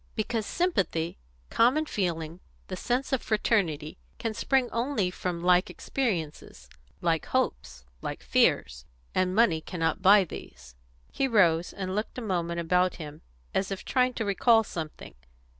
"Because sympathy common feeling the sense of fraternity can spring only from like experiences, like hopes, like fears. And money cannot buy these." He rose, and looked a moment about him, as if trying to recall something.